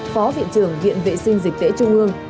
phó viện trưởng viện vệ sinh dịch tễ trung ương